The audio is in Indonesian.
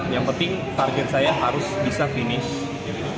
yang penting target saya harus bisa finish